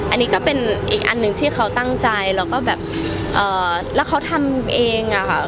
อันนี้ก็เป็นอีกอันหนึ่งที่เขาตั้งใจแล้วก็แบบเอ่อแล้วเขาทำเองอะค่ะ